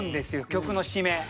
曲の締め。